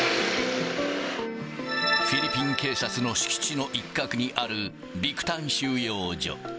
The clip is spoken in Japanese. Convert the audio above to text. フィリピン警察の敷地の一角にあるビクタン収容所。